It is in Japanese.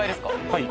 はい。